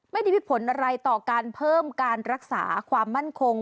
ไม่ได้มีผลอะไรต่อการเพิ่มการรักษาความมั่นคง